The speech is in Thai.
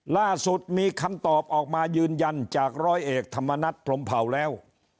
ล่าสุดมีคำตอบออกมายืนยันจากร้อยเอกธรรมนัฐพรมเผาแล้ว